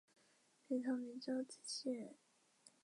北宋明州慈溪人。